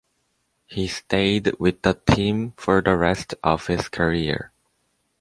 He stayed with the team for the rest of his career.